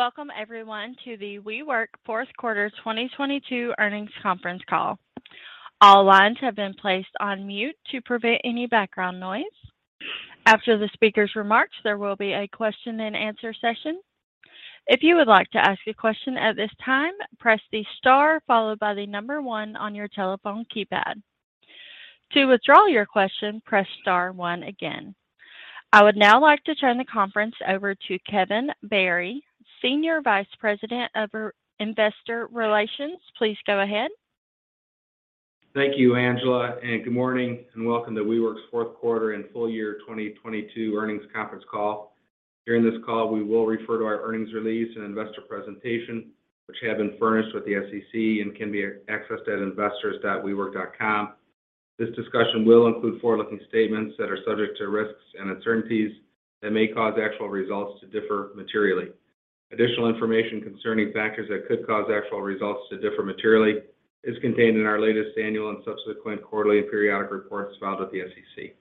Welcome everyone to the WeWork fourth quarter 2022 earnings conference call. All lines have been placed on mute to prevent any background noise. After the speaker's remarks, there will be a question and answer session. If you would like to ask a question at this time, press the Star followed by the One on your telephone keypad. To withdraw your question, press star One again. I would now like to turn the conference over to Kevin Berry, Senior Vice President of Investor Relations. Please go ahead. Thank you, Angela. Good morning and welcome to WeWork's fourth quarter and full year 2022 earnings conference call. During this call, we will refer to our earnings release and investor presentation, which have been furnished with the SEC and can be accessed at investors.wework.com. This discussion will include forward-looking statements that are subject to risks and uncertainties that may cause actual results to differ materially. Additional information concerning factors that could cause actual results to differ materially is contained in our latest annual and subsequent quarterly and periodic reports filed with the SEC.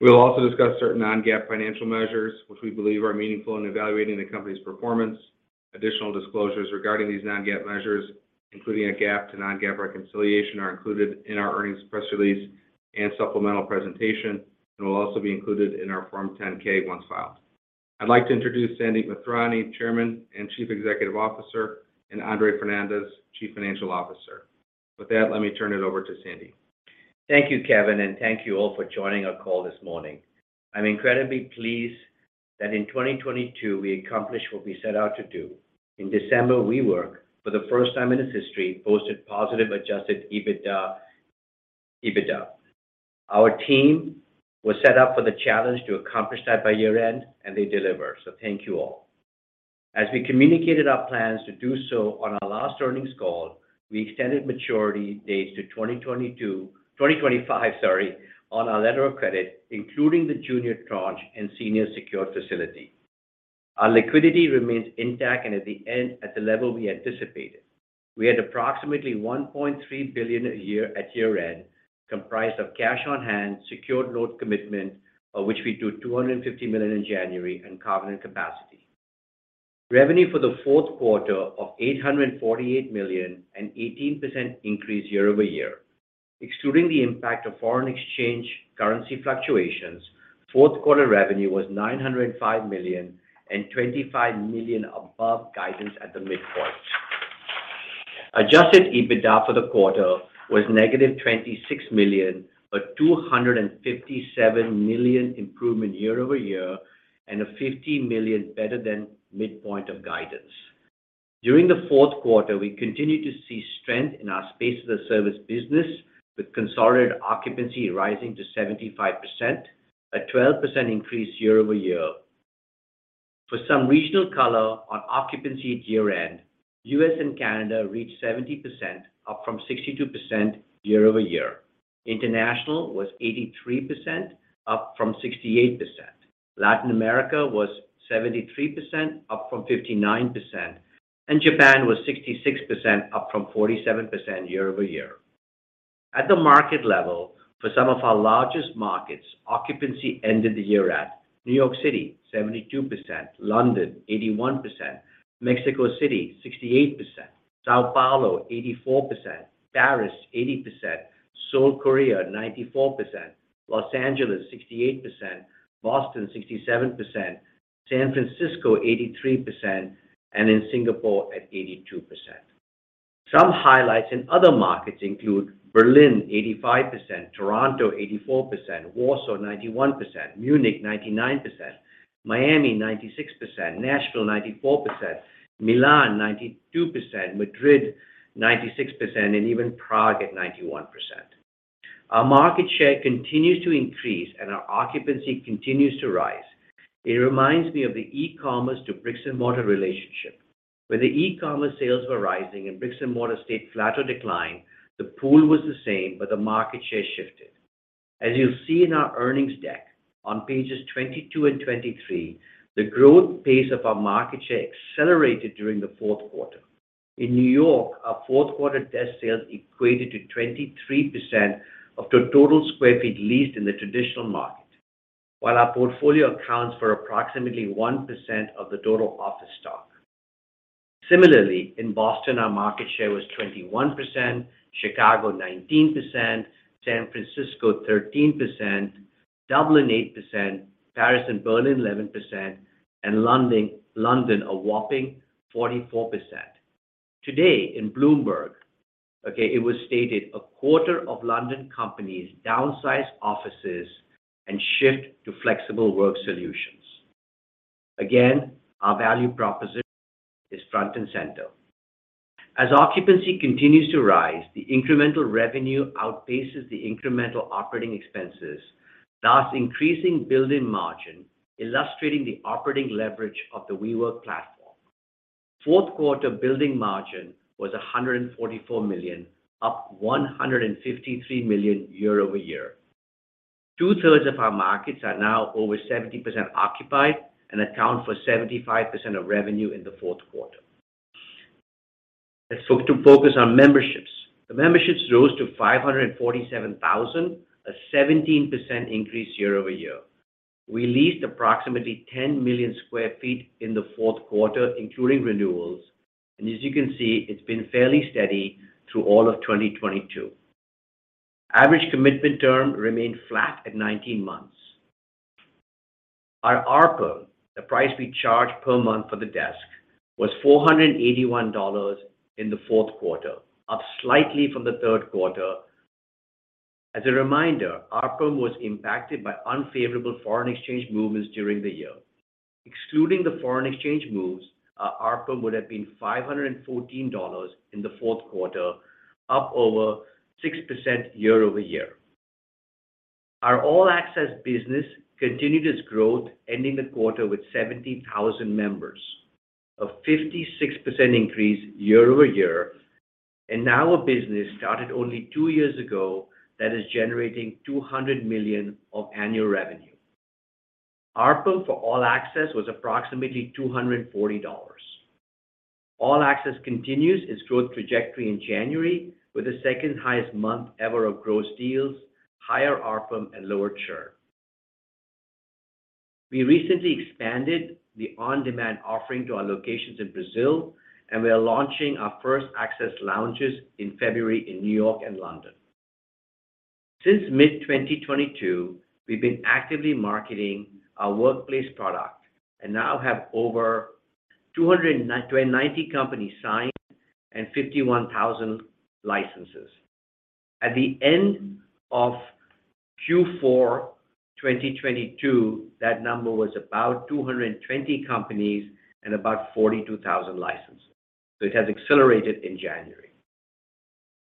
We will also discuss certain non-GAAP financial measures, which we believe are meaningful in evaluating the company's performance. Additional disclosures regarding these non-GAAP measures, including a GAAP to non-GAAP reconciliation, are included in our earnings press release and supplemental presentation and will also be included in our Form 10-K once filed. I'd like to introduce Sandeep Mathrani, Chairman and Chief Executive Officer, and Andre Fernandez, Chief Financial Officer. With that, let me turn it over to Sandy. Thank you, Kevin. Thank you all for joining our call this morning. I'm incredibly pleased that in 2022 we accomplished what we set out to do. In December, WeWork, for the first time in its history, posted positive Adjusted EBITDA. Our team was set up for the challenge to accomplish that by year end, they delivered. Thank you all. As we communicated our plans to do so on our last earnings call, we extended maturity dates to 2025, sorry, on our letter of credit, including the junior tranche and senior secured facility. Our liquidity remains intact at the level we anticipated. We had approximately $1.3 billion at year end, comprised of cash on hand, secured note commitment, of which we drew $250 million in January, and covenant capacity. Revenue for the fourth quarter of $848 million, an 18% increase year-over-year. Excluding the impact of foreign exchange currency fluctuations, fourth quarter revenue was $905 million and $25 million above guidance at the midpoint. Adjusted EBITDA for the quarter was -$26 million, a $257 million improvement year-over-year and a $50 million better than midpoint of guidance. During the fourth quarter, we continued to see strength in our space as a service business, with consolidated occupancy rising to 75%, a 12% increase year-over-year. For some regional color on occupancy at year-end, U.S. and Canada reached 70%, up from 62% year-over-year. International was 83%, up from 68%. Latin America was 73%, up from 59%. Japan was 66%, up from 47% year-over-year. At the market level, for some of our largest markets, occupancy ended the year at New York City 72%, London 81%, Mexico City 68%, São Paulo 84%, Paris 80%, Seoul, Korea, 94%, Los Angeles 68%, Boston 67%, San Francisco 83%, and in Singapore at 82%. Some highlights in other markets include Berlin 85%, Toronto 84%, Warsaw 91%, Munich 99%, Miami 96%, Nashville 94%, Milan 92%, Madrid 96%, and even Prague at 91%. Our market share continues to increase, and our occupancy continues to rise. It reminds me of the e-commerce to bricks and mortar relationship. When the e-commerce sales were rising and bricks and mortar stayed flat or declined, the pool was the same, but the market share shifted. As you'll see in our earnings deck on pages 22 and 23, the growth pace of our market share accelerated during the fourth quarter. In New York, our fourth quarter desk sales equated to 23% of the total square feet leased in the traditional market. While our portfolio accounts for approximately 1% of the total office stock. Similarly, in Boston, our market share was 21%, Chicago 19%, San Francisco 13%, Dublin 8%, Paris and Berlin 11%, and London a whopping 44%. Today in Bloomberg, okay, it was stated a quarter of London companies downsize offices and shift to flexible work solutions. Again, our value proposition is front and center. As occupancy continues to rise, the incremental revenue outpaces the incremental operating expenses, thus increasing building margin, illustrating the operating leverage of the WeWork platform. Fourth quarter building margin was $144 million, up $153 million year-over-year. Two-thirds of our markets are now over 70% occupied and account for 75% of revenue in the fourth quarter. Let's focus on memberships. The memberships rose to 547,000, a 17% increase year-over-year. We leased approximately 10 million sq ft in the fourth quarter, including renewals. As you can see, it's been fairly steady through all of 2022. Average commitment term remained flat at 19 months. Our ARPU, the price we charge per month for the desk, was $481 in the fourth quarter, up slightly from the third quarter. As a reminder, ARPU was impacted by unfavorable foreign exchange movements during the year. Excluding the foreign exchange moves, our ARPU would have been $514 in the fourth quarter, up over 6% year-over-year. Our All Access business continued its growth, ending the quarter with 70,000 members, a 56% increase year-over-year. Now a business started only two years ago that is generating $200 million of annual revenue. ARPU for All Access was approximately $240. All Access continues its growth trajectory in January with the second highest month ever of gross deals, higher ARPU and lower churn. We recently expanded the on-demand offering to our locations in Brazil, and we are launching our first access lounges in February in New York and London. Since mid-2022, we've been actively marketing our Workplace product and now have over 290 companies signed and 51,000 licenses. At the end of Q4 2022, that number was about 220 companies and about 42,000 licenses. It has accelerated in January.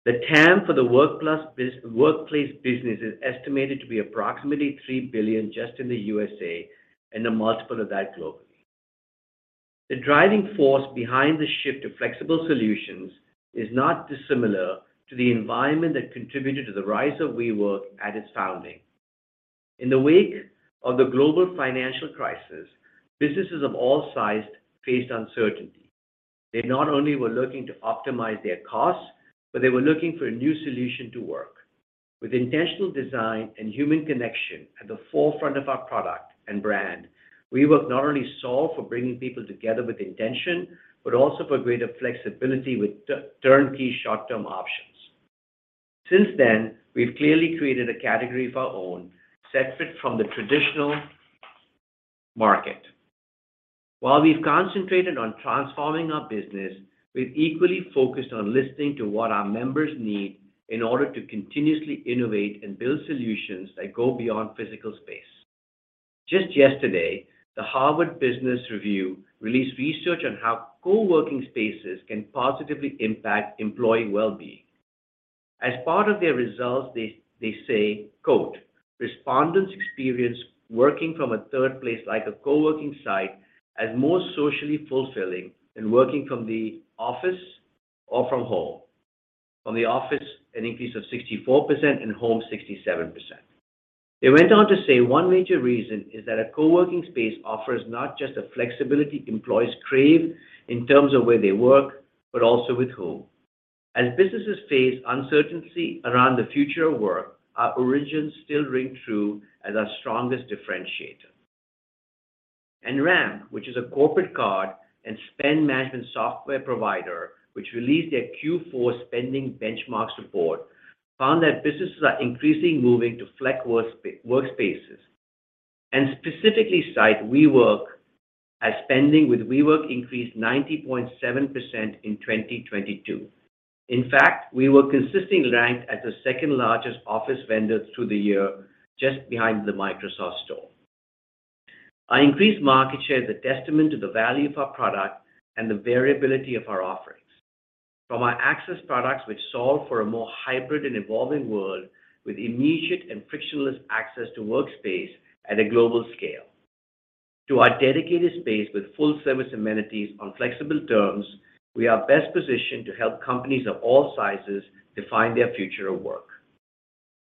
The TAM for the WeWork Workplace business is estimated to be approximately $3 billion just in the U.S.A. and a multiple of that globally. The driving force behind the shift to flexible solutions is not dissimilar to the environment that contributed to the rise of WeWork at its founding. In the wake of the global financial crisis, businesses of all sizes faced uncertainty. They not only were looking to optimize their costs, but they were looking for a new solution to work. With intentional design and human connection at the forefront of our product and brand, WeWork not only solved for bringing people together with intention, but also for greater flexibility with turnkey short term options. Since then, we've clearly created a category of our own, separate from the traditional market. While we've concentrated on transforming our business, we've equally focused on listening to what our members need in order to continuously innovate and build solutions that go beyond physical space. Just yesterday, the Harvard Business Review released research on how co-working spaces can positively impact employee well-being. As part of their results, they say, "Respondents experience working from a third place like a co-working site as more socially fulfilling than working from the office or from home." From the office, an increase of 64% and home, 67%. They went on to say one major reason is that a co-working space offers not just the flexibility employees crave in terms of where they work, but also with whom. As businesses face uncertainty around the future of work, our origins still ring true as our strongest differentiator. Ramp, which is a corporate card and spend management software provider which released their Q4 Spending Benchmark report, found that businesses are increasingly moving to flex workspaces, and specifically cite WeWork as spending with WeWork increased 90.7% in 2022. In fact, WeWork consistently ranked as the second largest office vendor through the year just behind the Microsoft Store. Our increased market share is a testament to the value of our product and the variability of our offerings. From our access products which solve for a more hybrid and evolving world with immediate and frictionless access to workspace at a global scale. To our dedicated space with full service amenities on flexible terms, we are best positioned to help companies of all sizes define their future of work.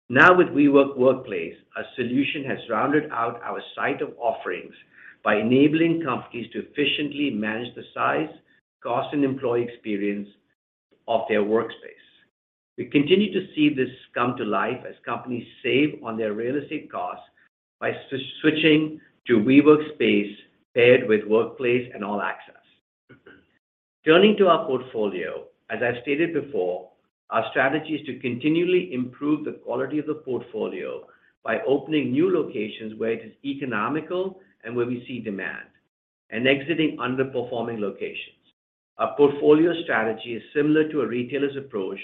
Now with WeWork Workplace, our solution has rounded out our site of offerings by enabling companies to efficiently manage the size, cost, and employee experience of their workspace. We continue to see this come to life as companies save on their real estate costs by switching to WeWork space paired with Workplace and All Access. Turning to our portfolio, as I stated before, our strategy is to continually improve the quality of the portfolio by opening new locations where it is economical and where we see demand, and exiting underperforming locations. Our portfolio strategy is similar to a retailer's approach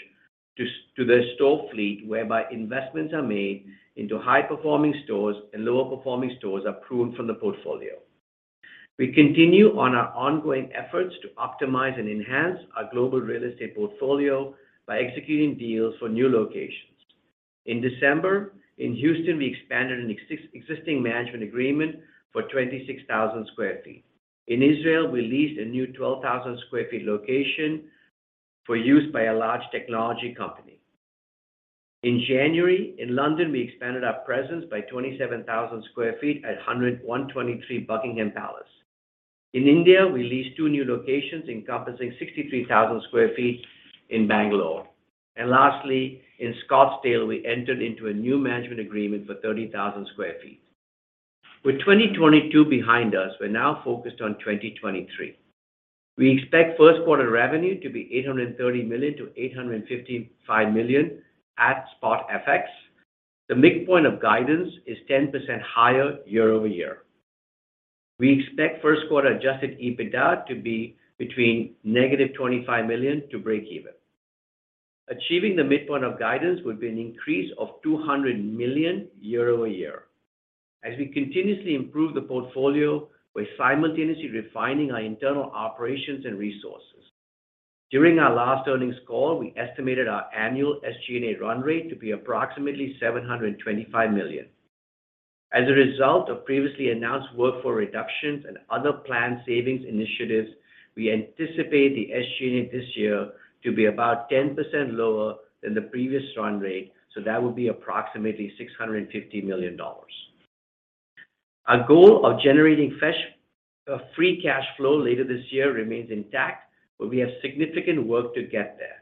to their store fleet, whereby investments are made into high-performing stores and lower performing stores are pruned from the portfolio. We continue on our ongoing efforts to optimize and enhance our global real estate portfolio by executing deals for new locations. In December, in Houston, we expanded an existing management agreement for 26,000 sq ft. In Israel, we leased a new 12,000 sq ft location for use by a large technology company. In January, in London, we expanded our presence by 27,000 sq ft at 123 Buckingham Palace Road. In India, we leased two new locations encompassing 63,000 sq ft in Bangalore. Lastly, in Scottsdale, we entered into a new management agreement for 30,000 sq ft. With 2022 behind us, we're now focused on 2023. We expect first quarter revenue to be $830 million-$855 million at spot FX. The midpoint of guidance is 10% higher year-over-year. We expect first quarter Adjusted EBITDA to be between negative $25 million to breakeven. Achieving the midpoint of guidance would be an increase of $200 million year-over-year. As we continuously improve the portfolio, we're simultaneously refining our internal operations and resources. During our last earnings call, we estimated our annual SG&A run rate to be approximately $725 million. As a result of previously announced workforce reductions and other planned savings initiatives, we anticipate the SG&A this year to be about 10% lower than the previous run rate, so that would be approximately $650 million. Our goal of generating free cash flow later this year remains intact, but we have significant work to get there.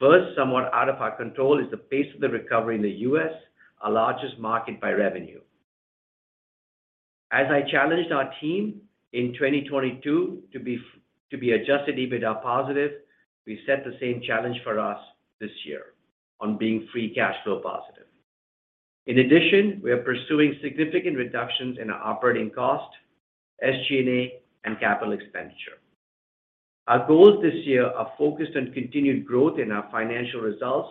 First, somewhat out of our control is the pace of the recovery in the U.S., our largest market by revenue. As I challenged our team in 2022 to be to be Adjusted EBITDA positive, we set the same challenge for us this year on being free cash flow positive. In addition, we are pursuing significant reductions in our operating cost, SG&A, and capital expenditure. Our goals this year are focused on continued growth in our financial results,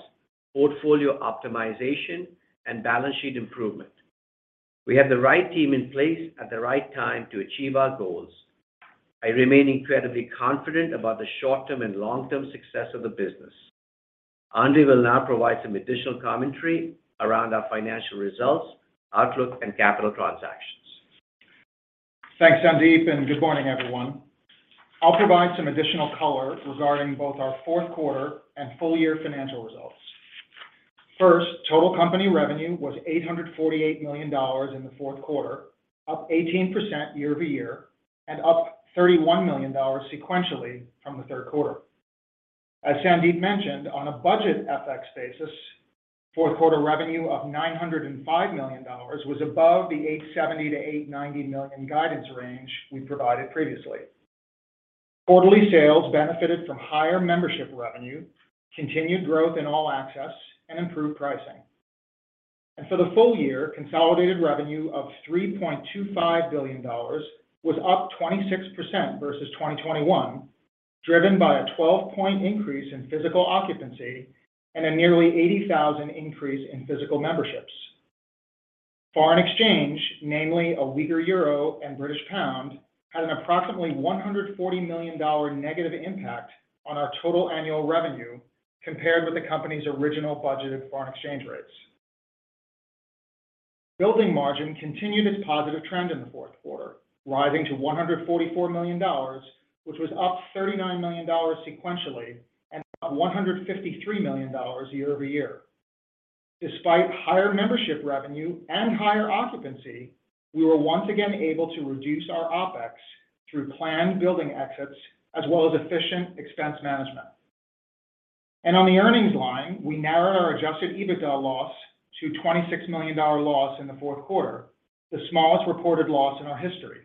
portfolio optimization, and balance sheet improvement. We have the right team in place at the right time to achieve our goals. I remain incredibly confident about the short-term and long-term success of the business. Andre will now provide some additional commentary around our financial results, outlook, and capital transactions. Thanks, Sandeep. Good morning, everyone. I'll provide some additional color regarding both our fourth quarter and full year financial results. First, total company revenue was $848 million in the fourth quarter, up 18% year-over-year, and up $31 million sequentially from the third quarter. As Sandeep mentioned, on a budget FX basis, fourth quarter revenue of $905 million was above the $870 million-$890 million guidance range we provided previously. Quarterly sales benefited from higher membership revenue, continued growth in WeWork All Access, and improved pricing. For the full year, consolidated revenue of $3.25 billion was up 26% versus 2021, driven by a 12-point increase in physical occupancy and a nearly 80,000 increase in physical memberships. Foreign exchange, namely a weaker euro and British pound, had an approximately $140 million negative impact on our total annual revenue compared with the company's original budgeted foreign exchange rates. Building margin continued its positive trend in the fourth quarter, rising to $144 million, which was up $39 million sequentially and up $153 million year-over-year. Despite higher membership revenue and higher occupancy, we were once again able to reduce our OpEx through planned building exits as well as efficient expense management. On the earnings line, we narrowed our Adjusted EBITDA loss to $26 million loss in the fourth quarter, the smallest reported loss in our history,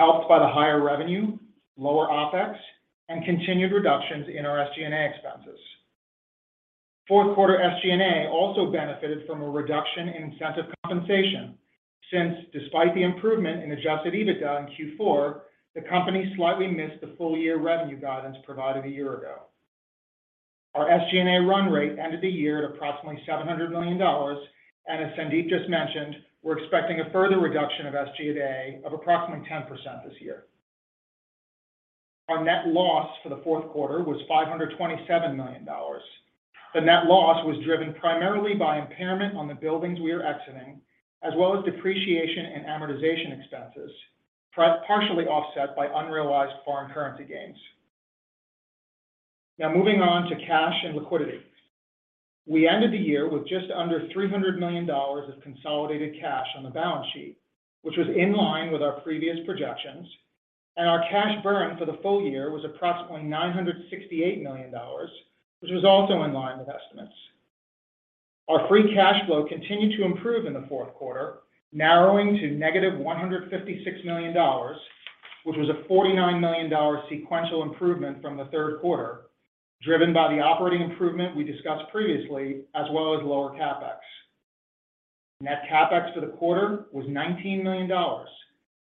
helped by the higher revenue, lower OpEx, and continued reductions in our SG&A expenses. Fourth quarter SG&A also benefited from a reduction in incentive compensation since despite the improvement in Adjusted EBITDA in Q4, the company slightly missed the full year revenue guidance provided a year ago. Our SG&A run rate ended the year at approximately $700 million. As Sandeep just mentioned, we're expecting a further reduction of SG&A of approximately 10% this year. Our net loss for the fourth quarter was $527 million. The net loss was driven primarily by impairment on the buildings we are exiting, as well as depreciation and amortization expenses, partially offset by unrealized foreign currency gains. Now moving on to cash and liquidity. We ended the year with just under $300 million of consolidated cash on the balance sheet, which was in line with our previous projections. Our cash burn for the full year was approximately $968 million, which was also in line with estimates. Our free cash flow continued to improve in the fourth quarter, narrowing to negative $156 million, which was a $49 million sequential improvement from the third quarter, driven by the operating improvement we discussed previously, as well as lower CapEx. Net CapEx for the quarter was $19 million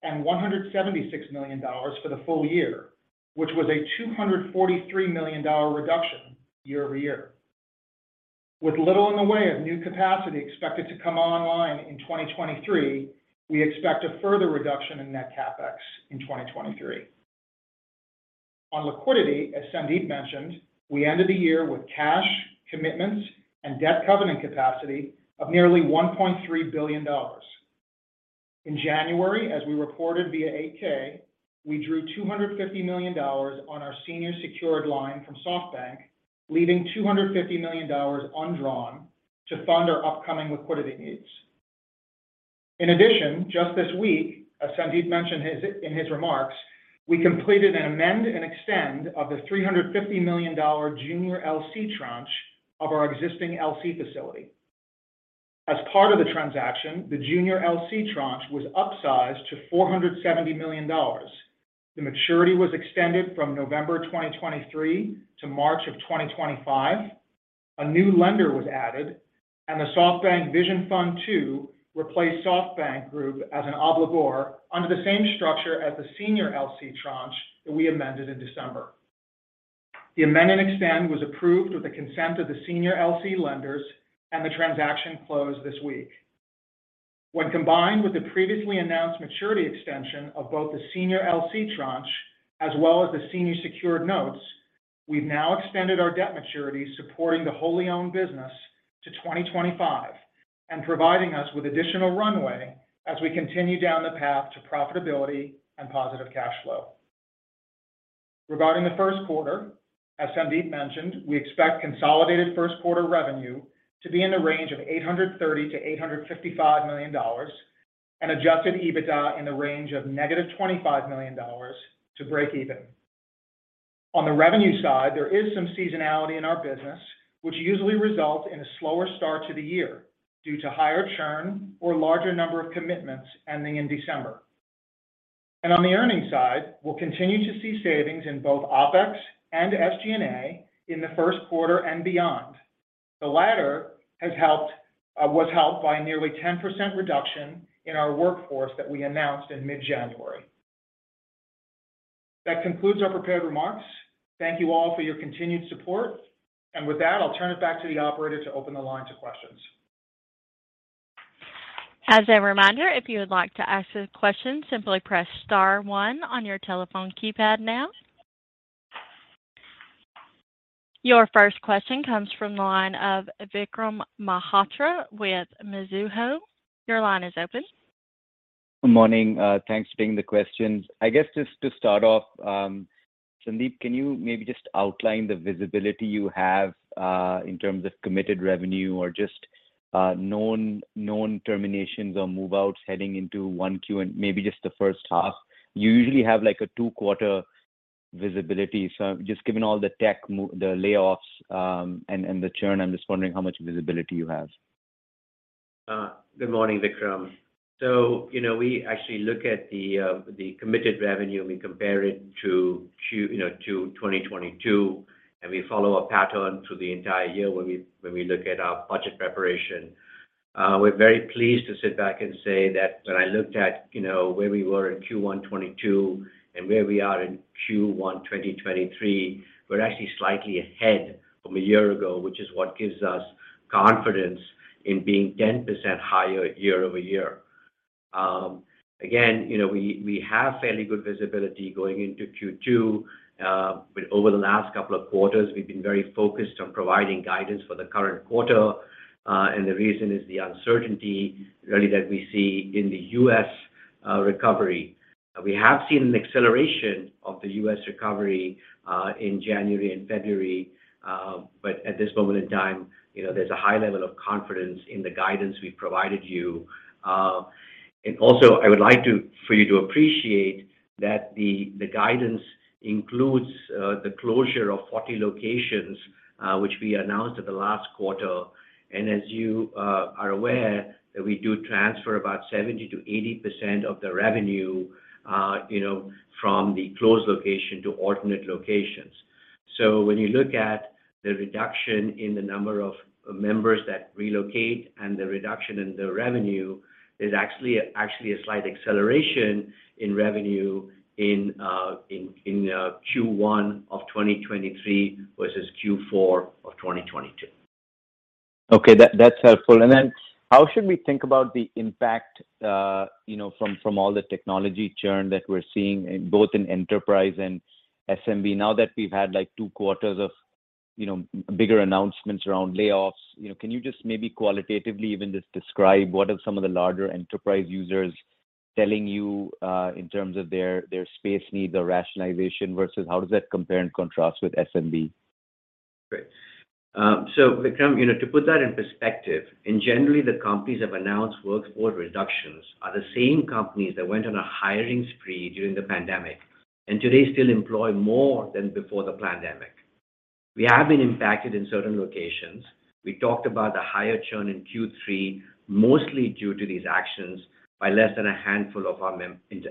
and $176 million for the full year, which was a $243 million reduction year-over-year. With little in the way of new capacity expected to come online in 2023, we expect a further reduction in net CapEx in 2023. On liquidity, as Sandeep mentioned, we ended the year with cash, commitments, and debt covenant capacity of nearly $1.3 billion. In January, as we reported via 8-K, we drew $250 million on our senior secured line from SoftBank, leaving $250 million undrawn to fund our upcoming liquidity needs. Just this week, as Sandeep mentioned in his remarks, we completed an amend and extend of the $350 million junior LC tranche of our existing LC facility. As part of the transaction, the junior LC tranche was upsized to $470 million. The maturity was extended from November 2023 to March of 2025. A new lender was added, the SoftBank Vision Fund II replaced SoftBank Group as an obligor under the same structure as the senior LC tranche that we amended in December. The amend and extend was approved with the consent of the senior LC lenders, and the transaction closed this week. When combined with the previously announced maturity extension of both the senior LC tranche as well as the senior secured notes, we've now extended our debt maturities supporting the wholly owned business to 2025 and providing us with additional runway as we continue down the path to profitability and positive cash flow. Regarding the first quarter, as Sandeep mentioned, we expect consolidated first quarter revenue to be in the range of $830 million-$855 million and Adjusted EBITDA in the range of -$25 million to break even. On the revenue side, there is some seasonality in our business, which usually results in a slower start to the year due to higher churn or larger number of commitments ending in December. On the earnings side, we'll continue to see savings in both OpEx and SG&A in the first quarter and beyond. The latter was helped by a nearly 10% reduction in our workforce that we announced in mid-January. That concludes our prepared remarks. Thank you all for your continued support. With that, I'll turn it back to the operator to open the line to questions. As a reminder, if you would like to ask a question, simply press Star One on your telephone keypad now. Your first question comes from the line of Vikram Malhotra with Mizuho. Your line is open. Good morning. Thanks for taking the questions. I guess just to start off, Sandeep, can you maybe just outline the visibility you have in terms of committed revenue or just known terminations or move-outs heading into 1Q and maybe just the first half? You usually have, like, a two-quarter visibility. Just given all the tech the layoffs, and the churn, I'm just wondering how much visibility you have. Good morning, Vikram. You know, we actually look at the committed revenue, and we compare it to you know, to 2022, and we follow a pattern through the entire year when we look at our budget preparation. We're very pleased to sit back and say that when I looked at, you know, where we were in Q1 2022 and where we are in Q1 2023, we're actually slightly ahead from a year ago, which is what gives us confidence in being 10% higher year-over-year. Again, you know, we have fairly good visibility going into Q2. But over the last couple of quarters, we've been very focused on providing guidance for the current quarter. The reason is the uncertainty really that we see in the U.S. recovery. We have seen an acceleration of the U.S. recovery in January and February. At this moment in time, you know, there's a high level of confidence in the guidance we've provided you. Also, I would like for you to appreciate that the guidance includes the closure of 40 locations, which we announced at the last quarter. As you are aware that we do transfer about 70%-80% of the revenue, you know, from the closed location to alternate locations. When you look at the reduction in the number of members that relocate and the reduction in the revenue, there's actually a slight acceleration in revenue in Q1 of 2023 versus Q4 of 2022. Okay. That's helpful. How should we think about the impact, you know, from all the technology churn that we're seeing both in enterprise and SMB now that we've had, like, two quarters of, you know, bigger announcements around layoffs? You know, can you just maybe qualitatively even just describe what are some of the larger enterprise users telling you, in terms of their space needs or rationalization versus how does that compare and contrast with SMB? Great. Vikram, you know, to put that in perspective, in generally the companies have announced workforce reductions are the same companies that went on a hiring spree during the pandemic, and today still employ more than before the pandemic. We have been impacted in certain locations. We talked about the higher churn in Q3, mostly due to these actions by less than a handful of our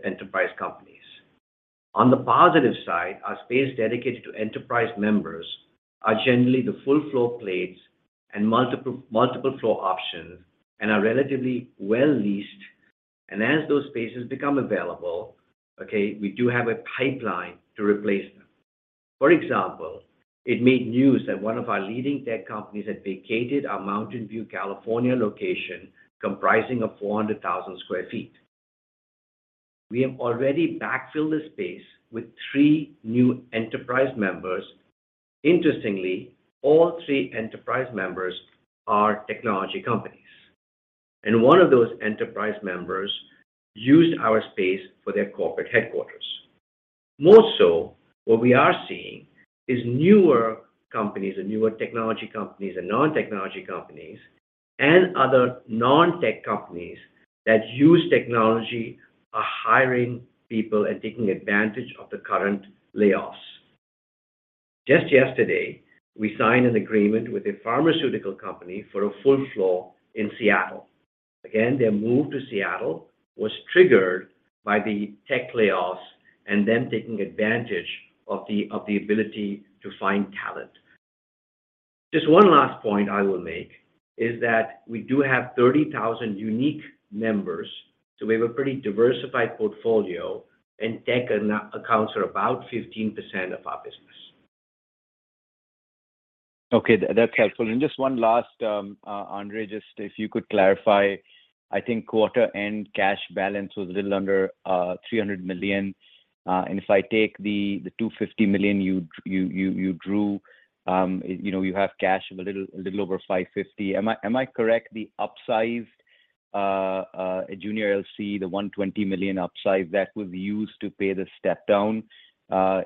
enterprise companies. On the positive side, our space dedicated to enterprise members are generally the full floor plates and multiple floor options and are relatively well leased. As those spaces become available, we do have a pipeline to replace them. For example, it made news that one of our leading tech companies had vacated our Mountain View, California location comprising of 400,000 sq ft. We have already backfilled the space with three new enterprise members. Interestingly, all three enterprise members are technology companies, and one of those enterprise members used our space for their corporate headquarters. More so, what we are seeing is newer companies and newer technology companies and non-technology companies and other non-tech companies that use technology are hiring people and taking advantage of the current layoffs. Just yesterday, we signed an agreement with a pharmaceutical company for a full floor in Seattle. Again, their move to Seattle was triggered by the tech layoffs and then taking advantage of the ability to find talent. Just one last point I will make is that we do have 30,000 unique members, so we have a pretty diversified portfolio, and tech accounts for about 15% of our business. Okay. That's helpful. Just one last, Andre, just if you could clarify. I think quarter end cash balance was a little under $300 million. If I take the $250 million you drew, you know, you have cash of a little, a little over $550. Am I correct the upsized junior LC, the $120 million upsize that was used to pay the step down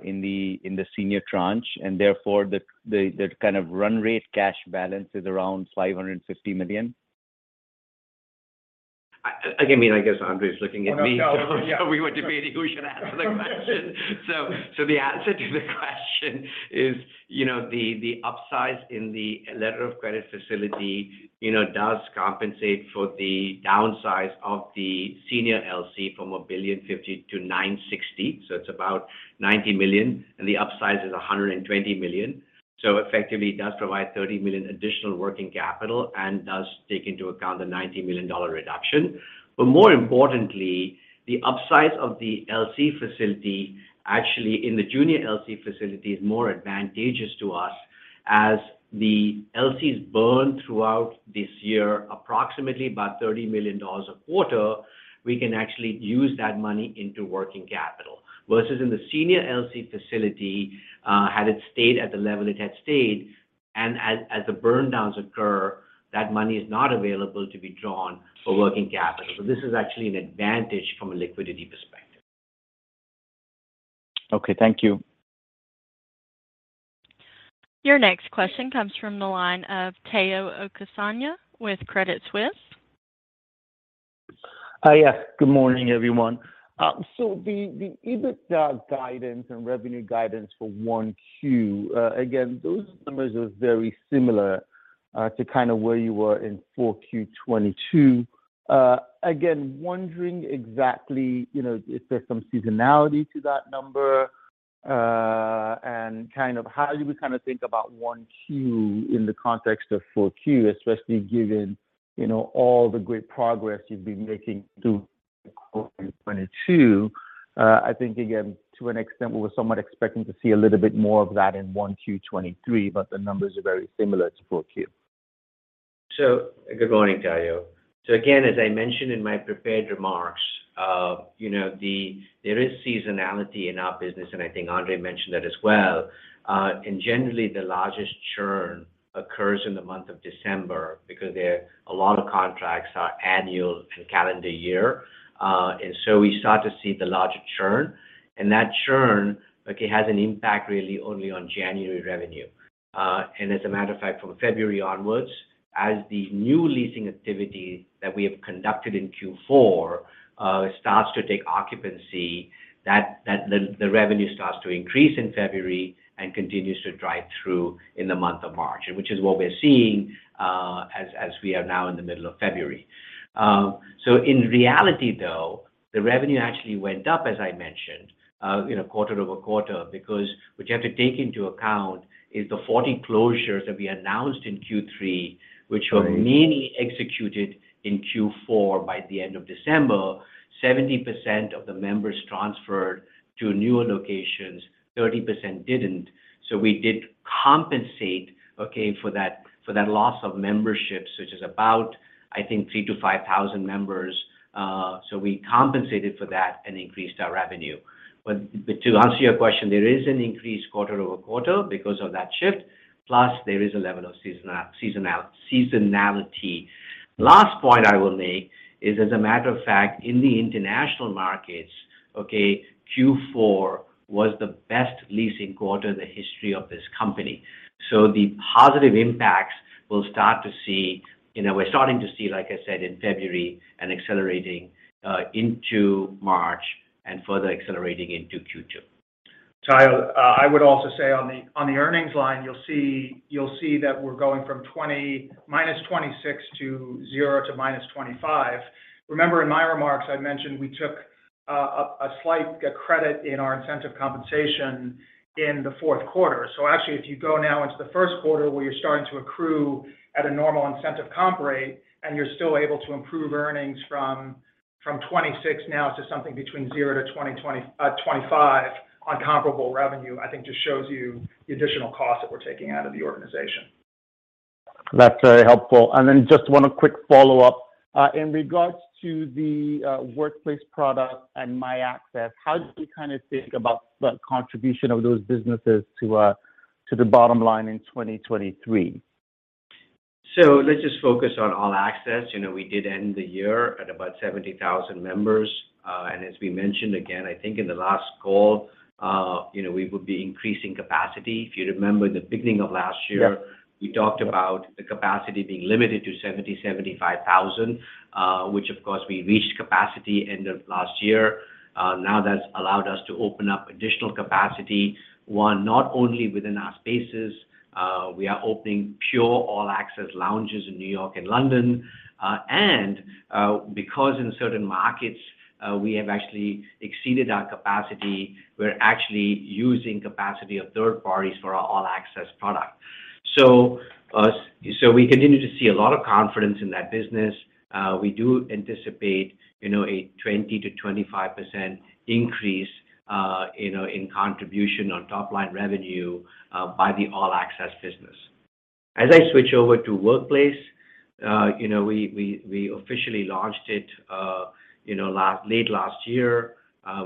in the senior tranche, and therefore the kind of run rate cash balance is around $550 million? I mean, I guess Andre is looking at me. Well, no. We were debating who should answer the question. The answer to the question is, you know, the upsize in the letter of credit facility, you know, does compensate for the downsize of the senior LC from $1.05 billion to $960 million. It's about $90 million, and the upsize is $120 million. Effectively it does provide $30 million additional working capital and does take into account the $90 million reduction. More importantly, the upsize of the LC facility, actually in the junior LC facility is more advantageous to us as the LCs burn throughout this year, approximately about $30 million a quarter, we can actually use that money into working capital. Versus in the senior LC facility, had it stayed at the level it had stayed, and as the burn downs occur, that money is not available to be drawn for working capital. This is actually an advantage from a liquidity perspective. Okay. Thank you. Your next question comes from the line of Tayo Okusanya with Credit Suisse. Yes. Good morning, everyone. The EBITDA guidance and revenue guidance for 1Q, again, those numbers are very similar to kind of where you were in 4Q 2022. Again, wondering exactly, you know, if there's some seasonality to that number, and kind of how do we think about 1Q in the context of 4Q, especially given, you know, all the great progress you've been making through 2022. I think again, to an extent, we were somewhat expecting to see a little bit more of that in 1Q 2023, but the numbers are very similar to 4Q. Good morning, Tayo. Again, as I mentioned in my prepared remarks, you know, there is seasonality in our business, and I think Andre Fernandez mentioned that as well. Generally the largest churn occurs in the month of December because there a lot of contracts are annual and calendar year. We start to see the larger churn, and that churn, okay, has an impact really only on January revenue. As a matter of fact, from February onwards, as the new leasing activity that we have conducted in Q4 starts to take occupancy, that the revenue starts to increase in February and continues to drive through in the month of March, and which is what we're seeing as we are now in the middle of February. In reality, though, the revenue actually went up, as I mentioned, you know, quarter-over-quarter, because what you have to take into account is the 40 closures that we announced in Q3, which were mainly executed in Q4 by the end of December. 70% of the members transferred to newer locations, 30% didn't. We did compensate, okay, for that, for that loss of memberships, which is about, I think, 3,000-5,000 members. We compensated for that and increased our revenue. To answer your question, there is an increase quarter-over-quarter because of that shift, plus there is a level of seasonality. Last point I will make is, as a matter of fact, in the international markets, okay, Q4 was the best leasing quarter in the history of this company. The positive impacts we're starting to see, like I said, in February and accelerating into March and further accelerating into Q2. I would also say on the earnings line, you'll see that we're going from -$26 to $0 to -$25. Remember, in my remarks, I mentioned we took a slight credit in our incentive compensation in the fourth quarter. Actually, if you go now into the first quarter where you're starting to accrue at a normal incentive comp rate and you're still able to improve earnings from $26 now to something between $0 to $20-$25 on comparable revenue, I think just shows you the additional cost that we're taking out of the organization. That's very helpful. Just one quick follow-up. In regards to the Workplace product and My Access, how do we kind of think about the contribution of those businesses to the bottom line in 2023? Let's just focus on All Access. You know, we did end the year at about 70,000 members. As we mentioned again, I think in the last call, you know, we would be increasing capacity. If you remember in the beginning of last year. Yep We talked about the capacity being limited to 70,000-75,000, which of course we reached capacity end of last year. That's allowed us to open up additional capacity, one, not only within our spaces, we are opening pure All Access lounges in New York and London. Because in certain markets, we have actually exceeded our capacity, we're actually using capacity of third parties for our All Access product. We continue to see a lot of confidence in that business. We do anticipate, you know, a 20%-25% increase, you know, in contribution on top line revenue by the All Access business. As I switch over to Workplace, you know, we officially launched it, you know, late last year.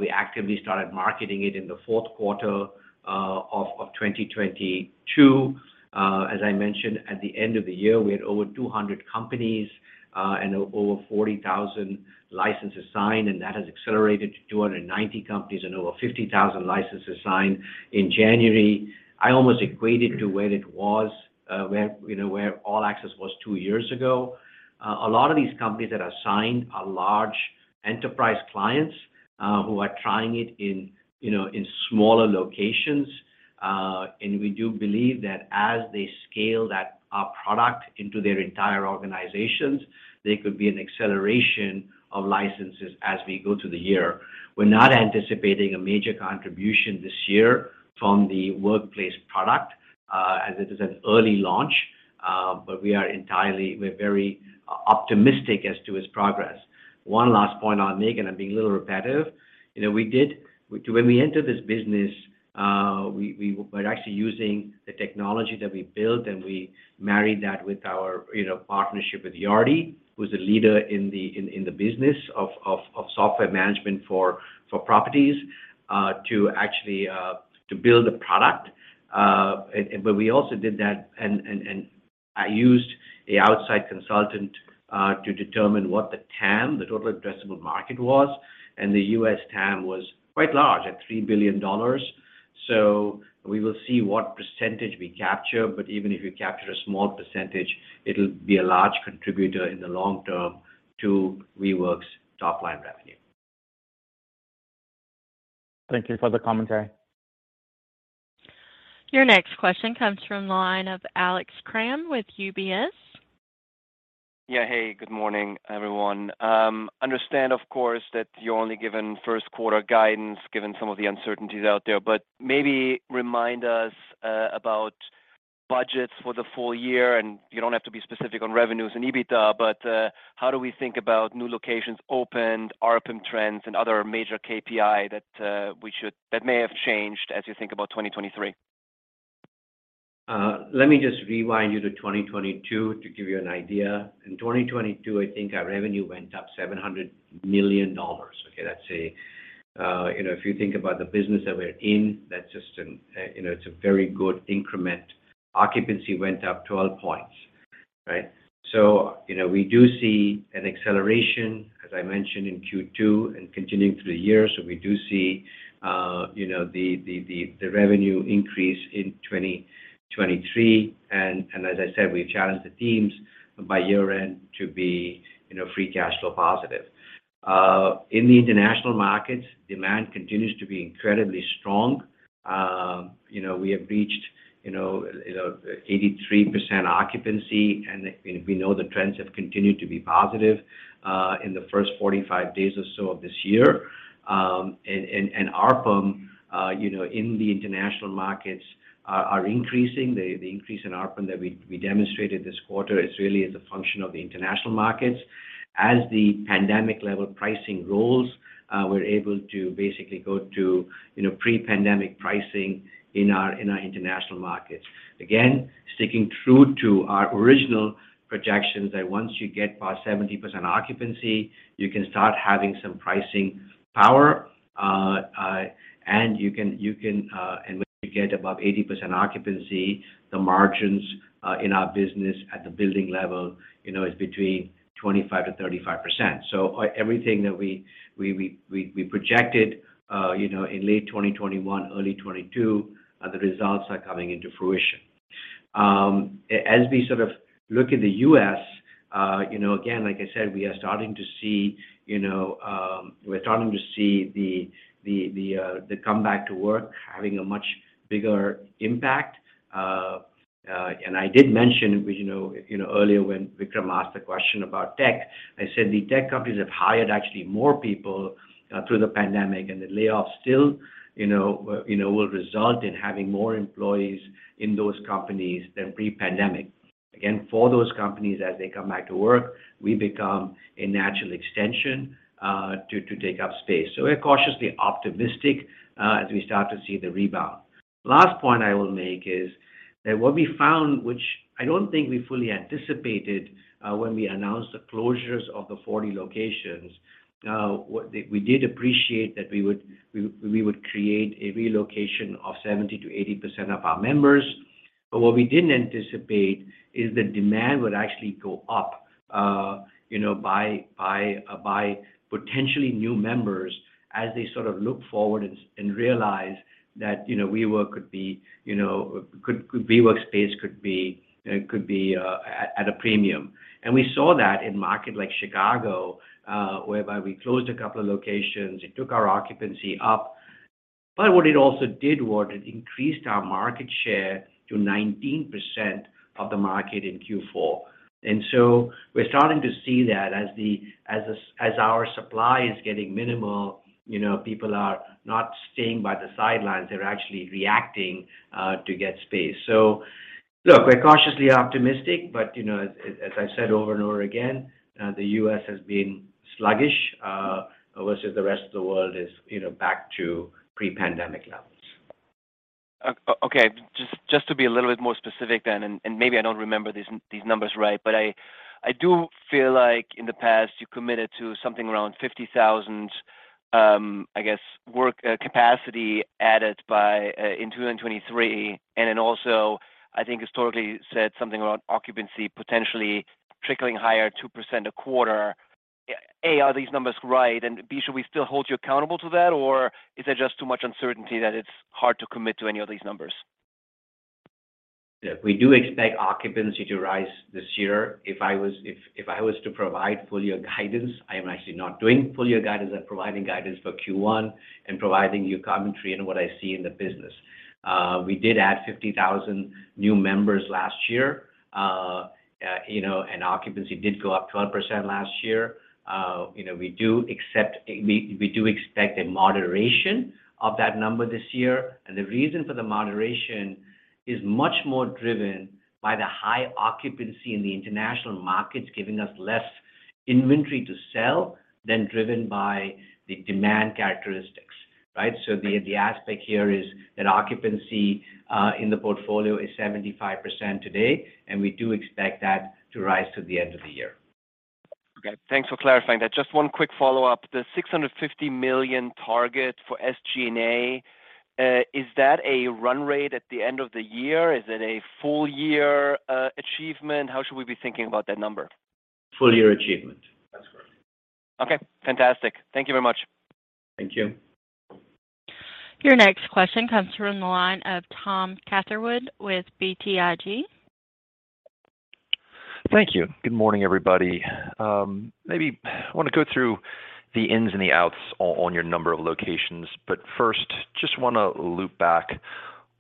We actively started marketing it in the fourth quarter of 2022. As I mentioned at the end of the year, we had over 200 companies and over 40,000 licenses signed, and that has accelerated to 290 companies and over 50,000 licenses signed in January. I almost equate it to where it was, where, you know, where All Access was two years ago. A lot of these companies that are signed are large enterprise clients, who are trying it in, you know, in smaller locations. We do believe that as they scale our product into their entire organizations, there could be an acceleration of licenses as we go through the year. We're not anticipating a major contribution this year from the Workplace product, as it is an early launch, but we're very optimistic as to its progress. One last point on it, Nick, and I'm being a little repetitive. You know, when we entered this business, we're actually using the technology that we built, and we married that with our, you know, partnership with Yardi, who's a leader in the business of software management for properties, to actually build a product. We also did that and used a outside consultant to determine what the TAM, the total addressable market was. The U.S. TAM was quite large at $3 billion. We will see what percentage we capture, but even if we capture a small percentage, it'll be a large contributor in the long term to WeWork's top line revenue. Thank you for the commentary. Your next question comes from the line of Alexander Kramm with UBS. Yeah. Hey, good morning, everyone. Understand of course, that you're only given first quarter guidance given some of the uncertainties out there. Maybe remind us about budgets for the full year, and you don't have to be specific on revenues and EBITDA. How do we think about new locations opened, ARPM trends and other major KPI that may have changed as you think about 2023? Let me just rewind you to 2022 to give you an idea. In 2022, I think our revenue went up $700 million, okay? That's a, you know, if you think about the business that we're in, that's just an, you know, it's a very good increment. Occupancy went up 12 points, right? You know, we do see an acceleration, as I mentioned, in Q2 and continuing through the year. We do see, you know, the revenue increase in 2023. As I said, we've challenged the teams by year-end to be, you know, free cash flow positive. In the international markets, demand continues to be incredibly strong. you know, we have reached, you know, 83% occupancy, and we know the trends have continued to be positive in the first 45 days or so of this year. ARPM, you know, in the international markets are increasing. The increase in ARPM that we demonstrated this quarter is really as a function of the international markets. As the pandemic level pricing rolls, we're able to basically go to, you know, pre-pandemic pricing in our international markets. Again, sticking true to our original projections that once you get past 70% occupancy, you can start having some pricing power. You can, and when you get above 80% occupancy, the margins in our business at the building level, you know, is between 25%-35%. Everything that we projected, you know, in late 2021, early 2022, the results are coming into fruition. As we sort of look in the U.S., you know, again, like I said, we are starting to see, you know, we're starting to see the comeback to work having a much bigger impact. I did mention, you know, you know, earlier when Vikram asked the question about tech, I said the tech companies have hired actually more people through the pandemic, and the layoffs still, you know, you know, will result in having more employees in those companies than pre-pandemic. Again, for those companies, as they come back to work, we become a natural extension to take up space. We're cautiously optimistic as we start to see the rebound. Last point I will make is that what we found, which I don't think we fully anticipated when we announced the closures of the 40 locations, we did appreciate that we would create a relocation of 70%-80% of our members. What we didn't anticipate is the demand would actually go up, you know, by potentially new members as they sort of look forward and realize that WeWork could be WeWork space could be at a premium. We saw that in market like Chicago, whereby we closed a couple of locations, it took our occupancy up. What it also did was it increased our market share to 19% of the market in Q4. We're starting to see that as our supply is getting minimal, you know, people are not staying by the sidelines. They're actually reacting to get space. Look, we're cautiously optimistic, but, you know, as I've said over and over again, the U.S. has been sluggish versus the rest of the world is, you know, back to pre-pandemic levels. Okay. Just to be a little bit more specific then, and maybe I don't remember these numbers right, but I do feel like in the past you committed to something around 50,000, I guess work capacity added by in 2023. Then also I think historically said something around occupancy potentially trickling higher 2% a quarter. A, are these numbers right? B, should we still hold you accountable to that, or is there just too much uncertainty that it's hard to commit to any of these numbers? Yeah. We do expect occupancy to rise this year. If I was to provide full year guidance, I am actually not doing full year guidance. I'm providing guidance for Q1 and providing you commentary on what I see in the business. We did add 50,000 new members last year. You know, occupancy did go up 12% last year. You know, we do expect a moderation of that number this year. The reason for the moderation is much more driven by the high occupancy in the international markets, giving us less inventory to sell than driven by the demand characteristics, right? The aspect here is that occupancy in the portfolio is 75% today, and we do expect that to rise to the end of the year. Okay, thanks for clarifying that. Just one quick follow-up. The $650 million target for SG&A, is that a run rate at the end of the year? Is it a full year achievement? How should we be thinking about that number? Full year achievement. That's correct. Okay, fantastic. Thank you very much. Thank you. Your next question comes from the line of Tom Catherwood with BTIG. Thank you. Good morning, everybody. Maybe I want to go through the ins and the outs on your number of locations. First, just wanna loop back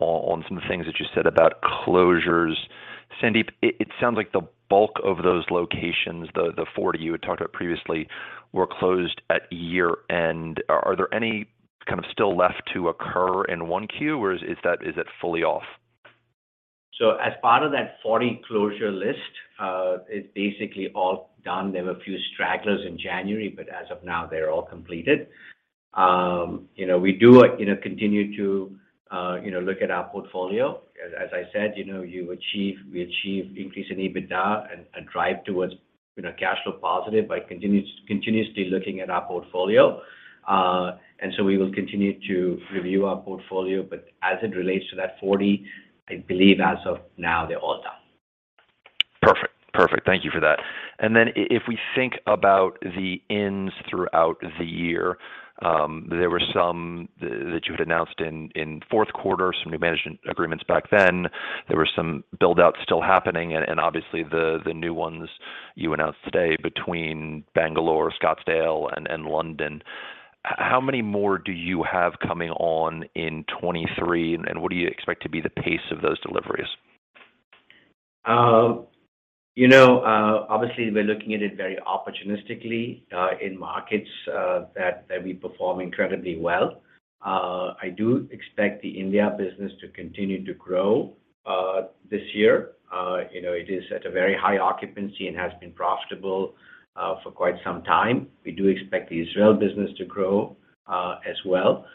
on some things that you said about closures. Sandeep, it sounds like the bulk of those locations, the 40 you had talked about previously, were closed at year-end. Are there any kind of still left to occur in 1Q, or is that fully off? As part of that 40 closure list, it's basically all done. There were a few stragglers in January, but as of now, they're all completed. You know, we do, you know, continue to, you know, look at our portfolio. As I said, you know, we achieve increase in EBITDA and drive towards, you know, cash flow positive by continuously looking at our portfolio. We will continue to review our portfolio, but as it relates to that 40, I believe as of now they're all done. Perfect. Perfect. Thank you for that. Then if we think about the ins throughout the year, there were some that you had announced in fourth quarter, some new management agreements back then. There were some build outs still happening and obviously the new ones you announced today between Bangalore, Scottsdale and London. How many more do you have coming on in 2023, and what do you expect to be the pace of those deliveries? Obviously we're looking at it very opportunistically in markets that we perform incredibly well. I do expect the India business to continue to grow this year. you know, it is at a very high occupancy and has been profitable for quite some time. We do expect the Israel business to grow as well.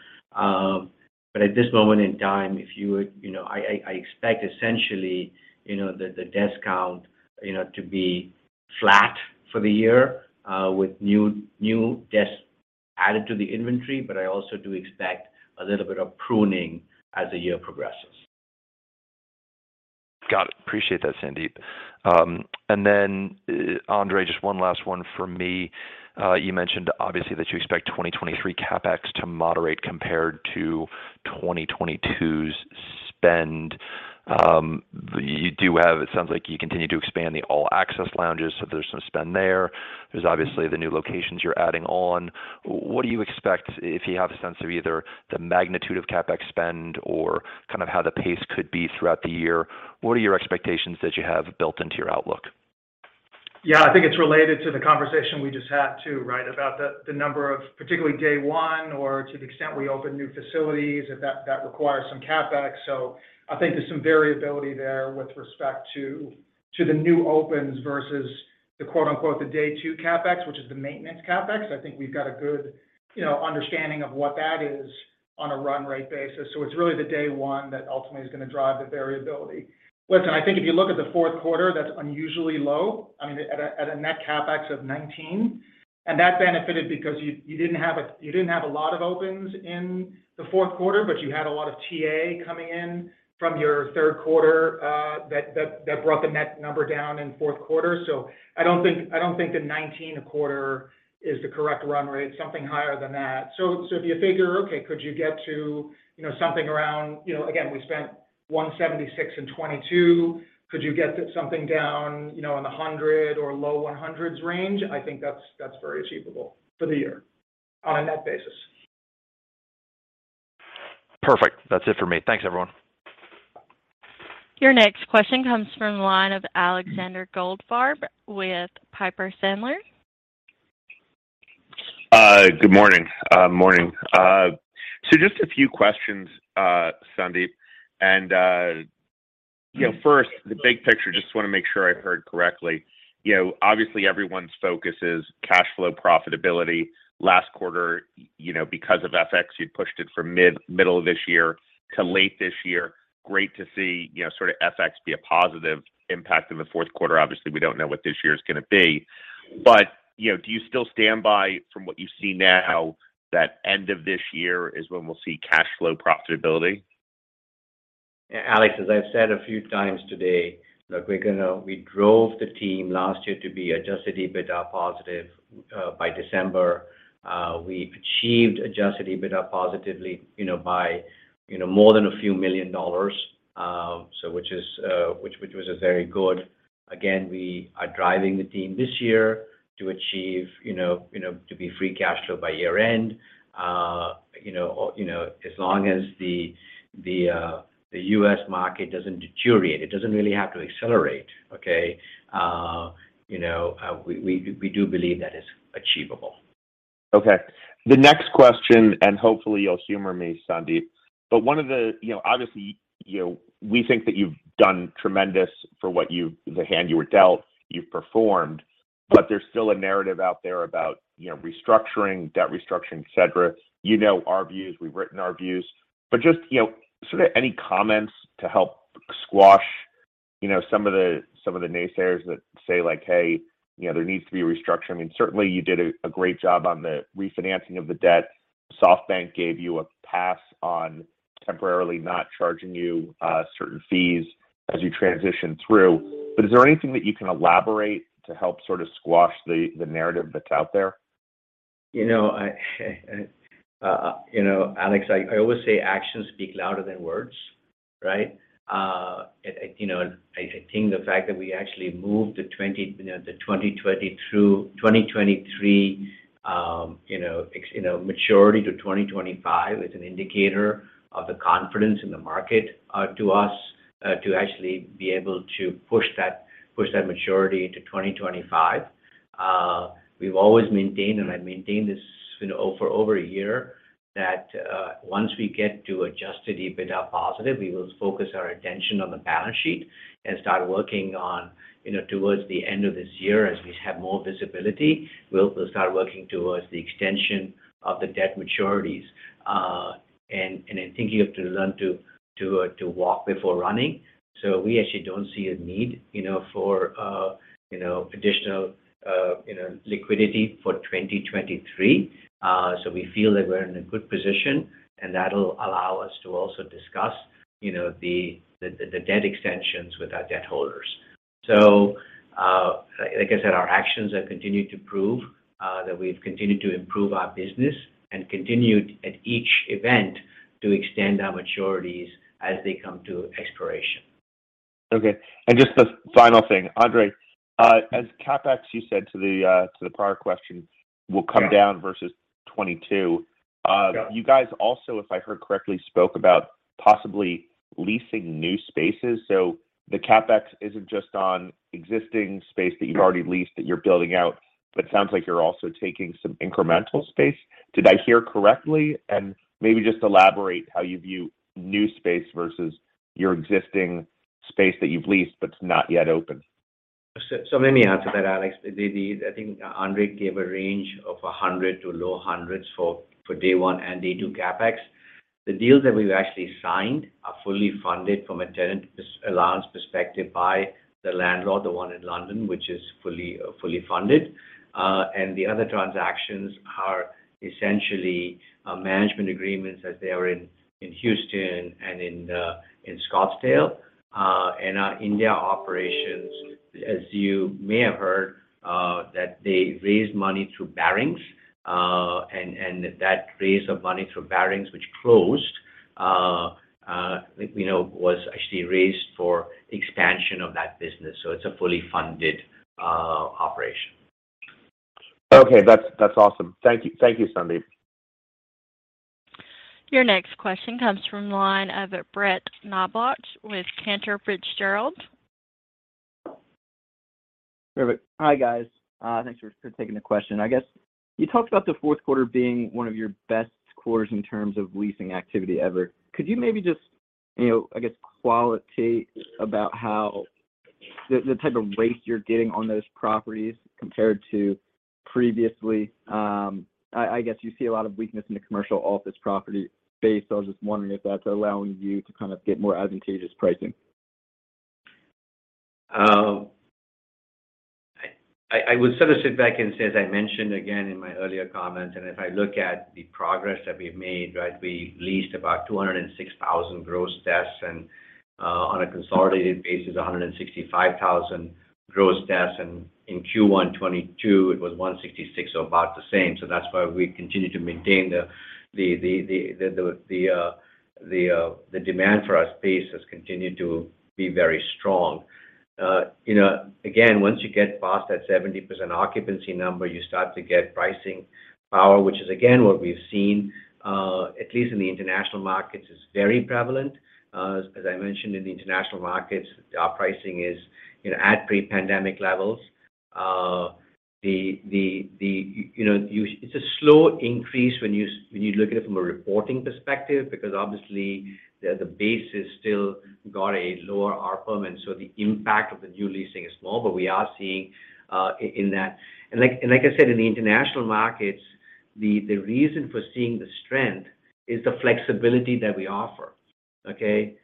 At this moment in time, if you would, you know, I expect essentially, you know, the desk count, you know, to be flat for the year with new desks added to the inventory. I also do expect a little bit of pruning as the year progresses. Got it. Appreciate that, Sandeep. Andre, just one last one from me. You mentioned obviously that you expect 2023 CapEx to moderate compared to 2022's spend. It sounds like you continue to expand the All Access lounges, so there's some spend there. There's obviously the new locations you're adding on. What do you expect if you have a sense of either the magnitude of CapEx spend or kind of how the pace could be throughout the year? What are your expectations that you have built into your outlook? Yeah, I think it's related to the conversation we just had too, right? About the number of particularly day one or to the extent we open new facilities that requires some CapEx. I think there's some variability there with respect to the new opens versus the quote unquote, the day two CapEx, which is the maintenance CapEx. I think we've got a good, you know, understanding of what that is. On a run rate basis. It's really the day one that ultimately is gonna drive the variability. Listen, I think if you look at the fourth quarter, that's unusually low. I mean, at a net CapEx of $19. That benefited because you didn't have a lot of opens in the fourth quarter, but you had a lot of TA coming in from your third quarter, that brought the net number down in fourth quarter. I don't think the $19 a quarter is the correct run rate, something higher than that. If you figure, okay, could you get to, you know, something around. You know, again, we spent $176 in 2022. Could you get something down, you know, in the $100 or low $100s range? I think that's very achievable for the year on a net basis. Perfect. That's it for me. Thanks, everyone. Your next question comes from the line of Alexander Goldfarb with Piper Sandler. Good morning. Morning. Just a few questions, Sandeep. You know, first, the big picture, just wanna make sure I heard correctly. You know, obviously, everyone's focus is cash flow profitability. Last quarter, you know, because of FX, you'd pushed it from mid-middle of this year to late this year. Great to see, you know, sort of FX be a positive impact in the fourth quarter. Obviously, we don't know what this year is gonna be. You know, do you still stand by from what you see now that end of this year is when we'll see cash flow profitability? Alex, as I've said a few times today, look, We drove the team last year to be Adjusted EBITDA positive by December. We achieved Adjusted EBITDA positively, you know, by, you know, more than a few million dollars, which was a very good... Again, we are driving the team this year to achieve, you know, you know, to be free cash flow by year end. You know, you know, as long as the U.S. market doesn't deteriorate. It doesn't really have to accelerate, okay? You know, we do believe that is achievable. Okay. The next question, hopefully you'll humor me, Sandeep. You know, obviously, you know, we think that you've done tremendous for what the hand you were dealt, you've performed. There's still a narrative out there about, you know, restructuring, debt restructuring, et cetera. You know our views. We've written our views. Just, you know, sort of any comments to help squash, you know, some of the naysayers that say like, "Hey, you know, there needs to be restructuring." I mean, certainly you did a great job on the refinancing of the debt. SoftBank gave you a pass on temporarily not charging you certain fees as you transition through. Is there anything that you can elaborate to help sort of squash the narrative that's out there? You know, I, you know, Alex, always say actions speak louder than words, right? You know, I think the fact that we actually moved the 2020, you know, the 2020 through 2023, you know, maturity to 2025 is an indicator of the confidence in the market to us to actually be able to push that maturity to 2025. We've always maintained, I maintained this, you know, for over a year, that once we get to Adjusted EBITDA positive, we will focus our attention on the balance sheet and start working on, you know, towards the end of this year as we have more visibility. We'll start working towards the extension of the debt maturities, and in thinking of to learn to walk before running. We actually don't see a need, you know, for, you know, additional, you know, liquidity for 2023. We feel that we're in a good position, and that'll allow us to also discuss, you know, the debt extensions with our debt holders. Like I said, our actions have continued to prove that we've continued to improve our business and continued at each event to extend our maturities as they come to expiration. Okay. Just the final thing. Andre, as CapEx, you said to the prior question, will come down versus 2022. Yeah. You guys also, if I heard correctly, spoke about possibly leasing new spaces. The CapEx isn't just on existing space that you've already leased that you're building out, but sounds like you're also taking some incremental space. Did I hear correctly? Maybe just elaborate how you view new space versus your existing space that you've leased but it's not yet open. Let me answer that, Alex. I think Andre gave a range of 100 to low hundreds for day one and day two CapEx. The deals that we've actually signed are fully funded from a tenant allowance perspective by the landlord, the one in London, which is fully funded. The other transactions are essentially management agreements as they are in Houston and in Scottsdale. Our India operations, as you may have heard, that they raised money through Barings. That raise of money through Barings, which closed, we know was actually raised for expansion of that business. It's a fully funded operation. Okay. That's awesome. Thank you. Thank you, Sandeep. Your next question comes from the line of Brett Knoblauch with Cantor Fitzgerald. Perfect. Hi, guys. Thanks for taking the question. I guess you talked about the fourth quarter being one of your best quarters in terms of leasing activity ever. Could you maybe just, you know, I guess, qualitative about how... The type of rates you're getting on those properties compared to previously, I guess you see a lot of weakness in the commercial office property space. I was just wondering if that's allowing you to kind of get more advantageous pricing. I would sort of sit back and say, as I mentioned again in my earlier comments, if I look at the progress that we've made, right? We leased about 206,000 gross debts, on a consolidated basis, 165,000 gross debts. In Q1 2022, it was 166, about the same. That's why we continue to maintain the demand for our space has continued to be very strong. You know, again, once you get past that 70% occupancy number, you start to get pricing power, which is again, what we've seen, at least in the international markets, is very prevalent. As I mentioned in the international markets, our pricing is, you know, at pre-pandemic levels. The, you know, it's a slow increase when you look at it from a reporting perspective because obviously the base has still got a lower ARPM, and so the impact of the new leasing is small. But we are seeing in that. And like I said, in the international markets, the reason for seeing the strength is the flexibility that we offer, okay.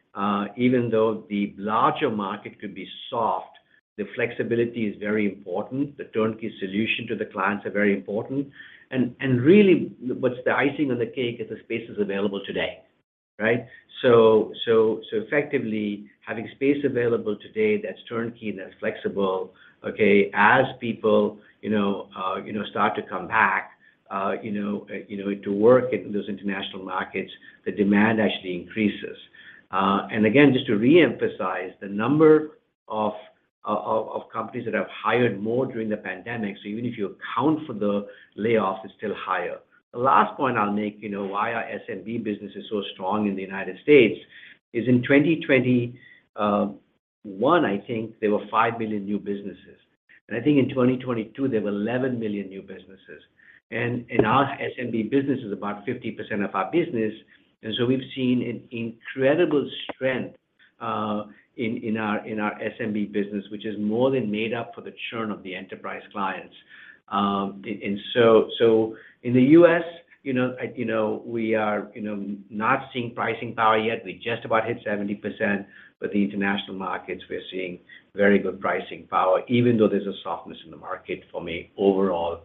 Even though the larger market could be soft, the flexibility is very important. The turnkey solution to the clients are very important. And really what's the icing on the cake is the space is available today, right. Effectively, having space available today that's turnkey and that's flexible, okay, as people, you know, you know, start to come back, you know, you know, to work in those international markets, the demand actually increases. Again, just to reemphasize the number of companies that have hired more during the pandemic. Even if you account for the layoffs, it's still higher. The last point I'll make, you know, why our SMB business is so strong in the United States is in 2021, I think, there were five million new businesses. I think in 2022, there were 11 million new businesses. Our SMB business is about 50% of our business. We've seen an incredible strength in our SMB business, which has more than made up for the churn of the enterprise clients. In the U.S., you know, you know, we are, you know, not seeing pricing power yet. We just about hit 70%. The international markets, we are seeing very good pricing power, even though there's a softness in the market for me, overall,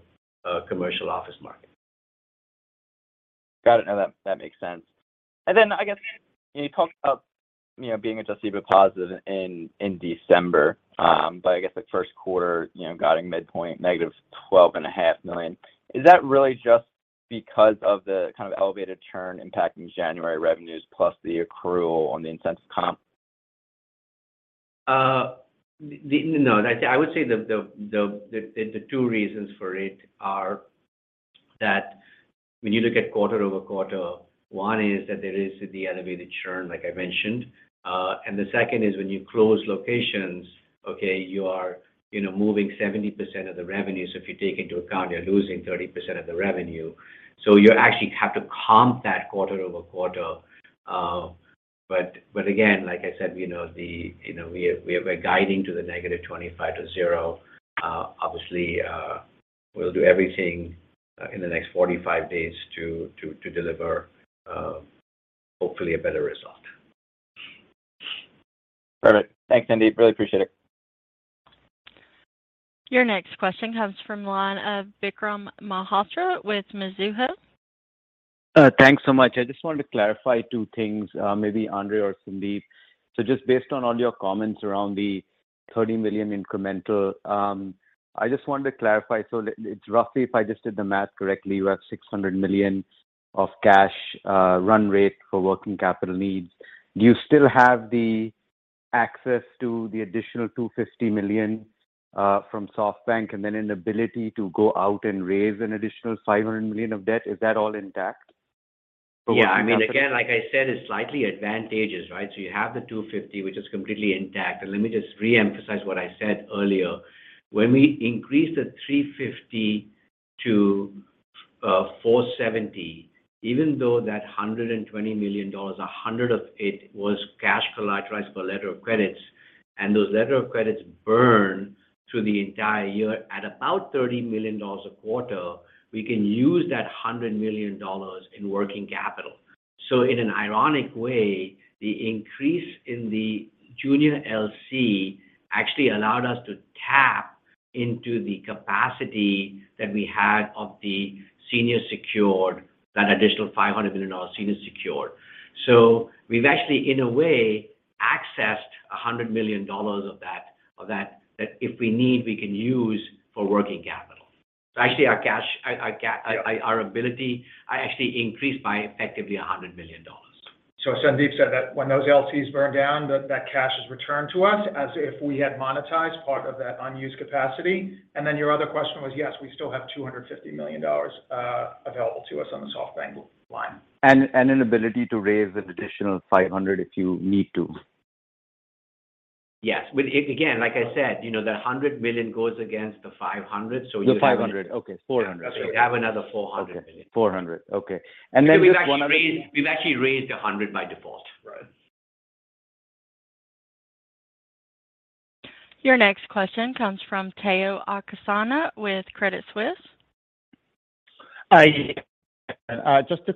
commercial office market. Got it. No, that makes sense. I guess when you talked about, you know, being Adjusted EBITDA positive in December. I guess the first quarter, you know, guiding midpoint -$12.5 million. Is that really just because of the kind of elevated churn impacting January revenues plus the accrual on the incentive comp? No, I would say the two reasons for it are that when you look at quarter-over-quarter, one is that there is the elevated churn, like I mentioned. And the second is when you close locations, okay, you are, you know, moving 70% of the revenue. If you take into account, you're losing 30% of the revenue. You actually have to comp that quarter-over-quarter. Again, like I said, you know, the, you know, we're guiding to the -25% to 0%. Obviously, we'll do everything in the next 45 days to deliver, hopefully a better result. Perfect. Thanks, Sandeep. Really appreciate it. Your next question comes from the line of Vikram Malhotra with Mizuho. Thanks so much. I just wanted to clarify two things, maybe Andre or Sandeep. Just based on all your comments around the $30 million incremental, I just wanted to clarify. It's roughly, if I just did the math correctly, you have $600 million of cash run rate for working capital needs. Do you still have the access to the additional $250 million from SoftBank, and then an ability to go out and raise an additional $500 million of debt? Is that all intact for working capital? Yeah. I mean, again, like I said, it's slightly advantageous, right? You have the $250, which is completely intact. Let me just reemphasize what I said earlier. When we increased the $350 to $470, even though that $120 million, $100 of it was cash collateralized for letters of credit. Those letters of credit burn through the entire year at about $30 million a quarter. We can use that $100 million in working capital. In an ironic way, the increase in the junior LC actually allowed us to tap into the capacity that we had of the senior secured, that additional $500 million senior secured. We've actually, in a way, accessed $100 million of that if we need, we can use for working capital. actually, our cash, our ability actually increased by effectively $100 million. Sandeep said that when those LCs burn down, that that cash is returned to us as if we had monetized part of that unused capacity. Your other question was, yes, we still have $250 million available to us on the SoftBank line. An ability to raise an additional $500 if you need to. Yes. With again, like I said, you know, the $100 million goes against the $500 million, so. The $500. Okay. $400. Sorry. Okay. You have another $400 million. Okay. 400. Okay. Just one other thing. We've actually raised $100 by default. Right. Your next question comes from Tayo Okusanya with Credit Suisse. Hi. just to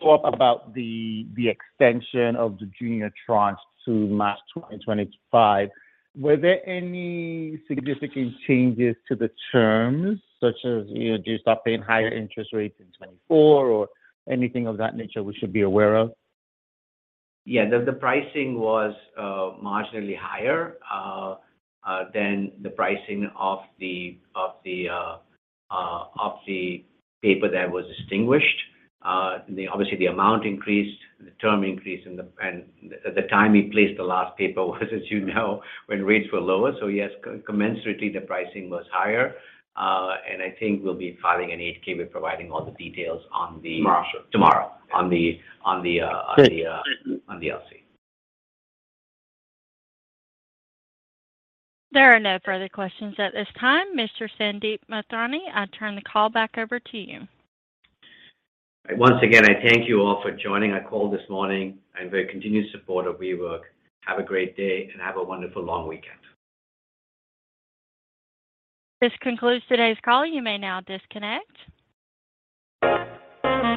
follow up about the extension of the junior tranche to March 2025. Were there any significant changes to the terms, such as, you know, do you start paying higher interest rates in 2024 or anything of that nature we should be aware of? Yeah. The pricing was marginally higher than the pricing of the paper that was distinguished. Obviously the amount increased, the term increased, and the time we placed the last paper was, as you know, when rates were lower. Yes, co-commensurately, the pricing was higher. I think we'll be filing an 8-K. We're providing all the details on the. Tomorrow... tomorrow on the Good. Thank you.... on the L.C. There are no further questions at this time. Mr. Sandeep Mathrani, I turn the call back over to you. Once again, I thank you all for joining our call this morning and your continued support of WeWork. Have a great day, have a wonderful long weekend. This concludes today's call. You may now disconnect.